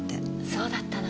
そうだったの。